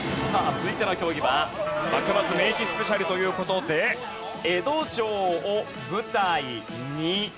続いての競技は幕末・明治スペシャルという事で江戸城を舞台に。